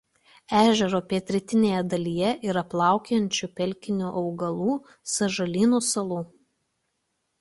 Ežero pietrytinėje dalyje yra plaukiojančių pelkinių augalų sąžalynų salų.